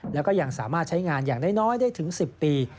แล้วก็ยังสามารถใช้งานอย่างน้อยได้ถึง๑๐ปี